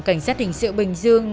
cảnh sát hình sự bình dương